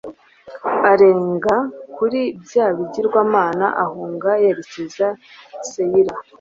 arenga kuri bya bigirwamana, ahunga yerekeza i seyira